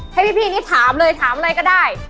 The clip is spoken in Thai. ให้พี่นี้ถามเลยถามอะไรก็ได้